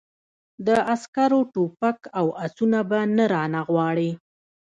د عسکرو ټوپک او آسونه به نه رانه غواړې!